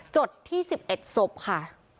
จดที่๑๑ศพค่ะ